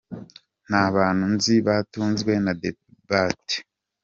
Nta bantu nzi batunzwe na debate.